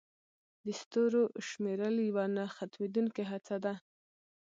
د ستورو شمیرل یوه نه ختمېدونکې هڅه ده.